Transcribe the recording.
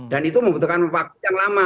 dan itu membutuhkan waktu yang lama